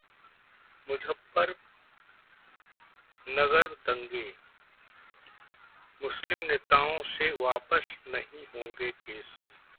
मुजफ्फरनगर दंगे: मुस्लिम नेताओं से वापस नहीं होंगे केस